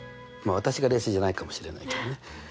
まあ私が冷静じゃないかもしれないけどね。